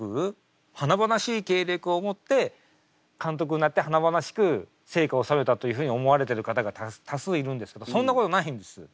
華々しい経歴を持って監督になって華々しく成果を収めたというふうに思われてる方が多数いるんですけどそんなことないんです。